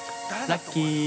ラッキー。